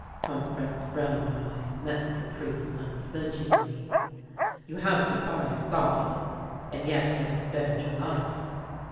Pomfrette's brown eyes met the priest's unflinchingly. " You have defied God, and yet he has spared your life."